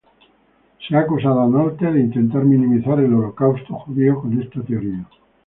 Se ha acusado a Nolte de intentar minimizar el Holocausto judío con esta teoría.